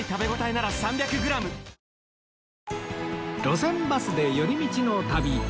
『路線バスで寄り道の旅』